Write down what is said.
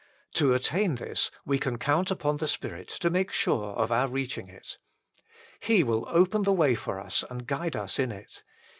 To attain this, we can count upon the Spirit to make sure of our reaching it. He will open the way for us and guide us in it.